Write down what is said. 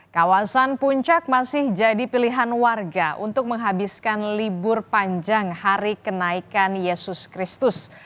kawasan puncak masih jadi pilihan warga untuk menghabiskan libur panjang hari kenaikan yesus kristus